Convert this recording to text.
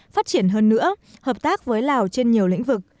phát triển hơn nữa hợp tác với lào trên nhiều lĩnh vực